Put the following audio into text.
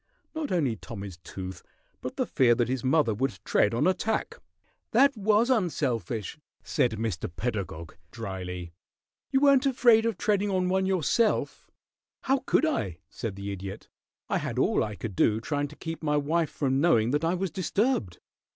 Not only Tommy's tooth, but the fear that his mother would tread on a tack." "That was unselfish," said Mr. Pedagog, dryly. "You weren't afraid of treading on one yourself." "How could I?" said the Idiot. "I had all I could do trying to keep my wife from knowing that I was disturbed.